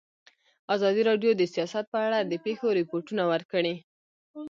ازادي راډیو د سیاست په اړه د پېښو رپوټونه ورکړي.